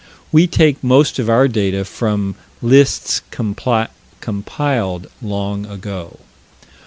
We take most of our data from lists compiled long ago.